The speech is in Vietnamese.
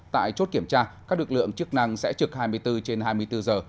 tại chốt kiểm tra các lực lượng chức năng sẽ trực hai mươi bốn trên hai mươi bốn giờ